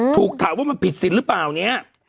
ถูกถามว่ามันผิดสินหรือเปล่าเนี่ย